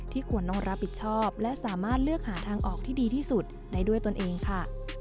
ควรต้องรับผิดชอบและสามารถเลือกหาทางออกที่ดีที่สุดได้ด้วยตนเองค่ะ